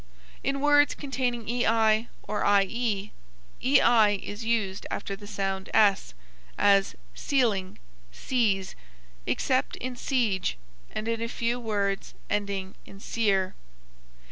In words containing ei or ie, ei is used after the sound s, as ceiling, seize, except in siege and in a few words ending in cier.